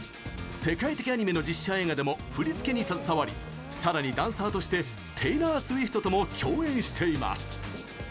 世界的アニメの実写映画でも振り付けに携わりさらにダンサーとしてテイラー・スウィフトとも共演しています。